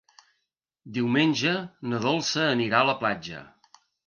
Diumenge na Dolça anirà a la platja.